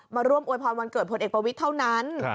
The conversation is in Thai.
มาร่วมอวยพรวันเกิดพลเอกประวิทย์เท่านั้น